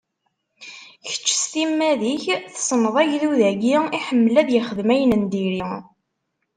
Kečč, s timmad-ik, tessneḍ agdud-agi, iḥemmel ad ixdem ayen n diri.